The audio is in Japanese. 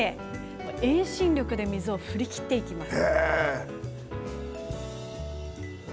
遠心力で水を切っています。